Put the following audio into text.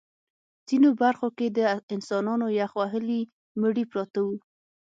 ځینو برخو کې د انسانانو یخ وهلي مړي پراته وو